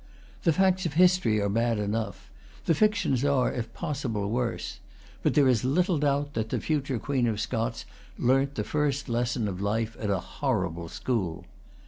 The facts of history are bad enough; the fictions are, if possible, worse; but there is little doubt that the future Queen of Scots learnt the first lessons of life at a horrible school.